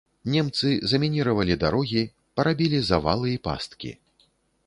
Немцы замініравалі дарогі, парабілі завалы і пасткі.